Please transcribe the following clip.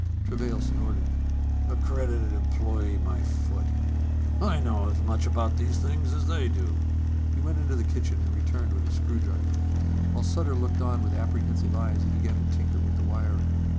_ Travail snorted. "Accredited employee, my foot! I know as much about these things as they do." He went into the kitchen and returned with a screwdriver. While Sutter looked on with apprehensive eyes, he began to tinker with the wiring.